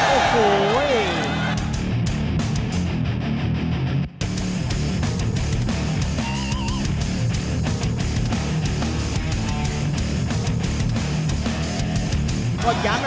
โอ้โหเว้ย